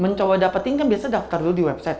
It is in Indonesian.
mencoba dapetin kan biasanya daftar dulu di website